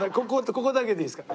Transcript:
ここだけでいいですから。